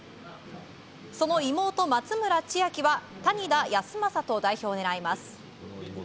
その妹・松村千秋は谷田康真と代表を狙います。